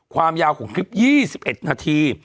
ความยาวของคลิป๒๑นาที